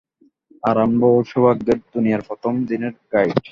আর আমরা ওর সৌভাগ্যের দুনিয়ার প্রথম দিনের গাইড।